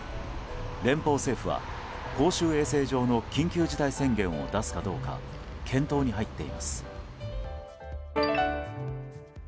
連邦政府は公衆衛生上の緊急事態宣言を出すかどうか検討に入っています。